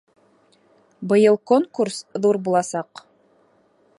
Быйыл конкурс ҙур буласаҡ